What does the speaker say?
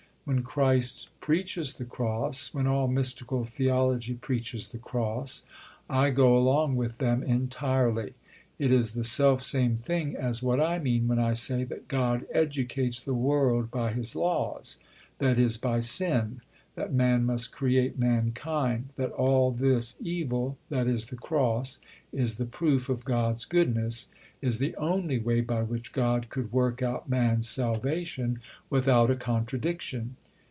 When Christ preaches the Cross, when all mystical theology preaches the Cross, I go along with them entirely. It is the self same thing as what I mean when I say that God educates the world by His laws, i.e. by sin that man must create mankind that all this evil, i.e. the Cross, is the proof of God's goodness, is the only way by which God could work out man's salvation without a contradiction.